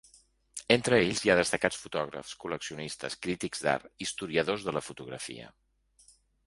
Entre ells hi ha destacats fotògrafs, col·leccionistes, crítics d’art, historiadors de la fotografia.